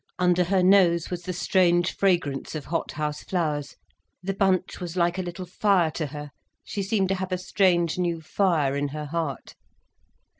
Under her nose was the strange fragrance of hot house flowers, the bunch was like a little fire to her, she seemed to have a strange new fire in her heart.